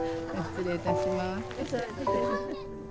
失礼いたします。